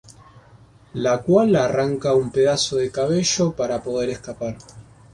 La cual le arranca un pedazo de cabello para poder escapar.